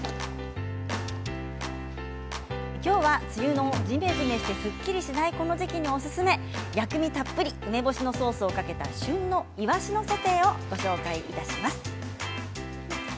きょうは梅雨のじめじめしてすっきりしないこの時期におすすめ薬味たっぷり梅干しのソースをかけた旬のイワシのソテーをご紹介いたします。